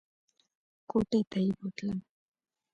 کوټې ته یې بوتلم !